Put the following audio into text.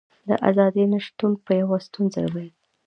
د ازادۍ نشتون به یوه ستونزه وي.